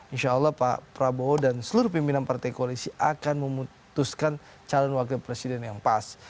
insya allah pak prabowo dan seluruh pimpinan partai koalisi akan memutuskan calon wakil presiden yang pas